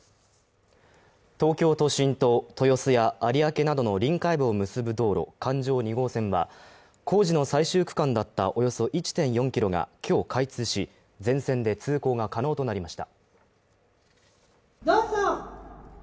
東京都心と豊洲や有明などの臨海部を結ぶ道路、環状２号線は工事の最終区間だったおよそ１．４ｋｍが今日開通し全線で通行が可能となりました。